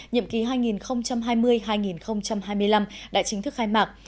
nhiệm ký hai nghìn hai mươi hai nghìn hai mươi năm đã chính thức khai mạc